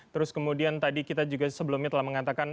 terus kemudian tadi kita juga sebelumnya telah mengatakan